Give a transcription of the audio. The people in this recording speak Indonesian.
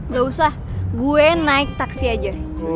gak usah gue naik taksi aja